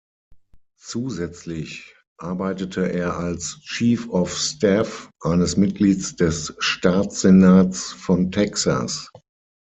Zusätzlich arbeitete er als "Chief of Staff" eines Mitglieds des Staatssenats von Texas.